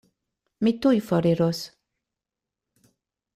Mi tuj foriros.